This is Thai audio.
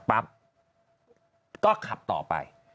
ปั๊บก็ขับต่อไป